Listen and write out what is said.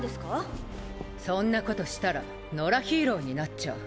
そんなことしたら野良ヒーローになっちゃう。